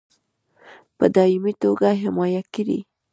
په دایمي توګه حمایه کړي.